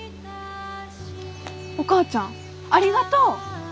お母ちゃんありがとう！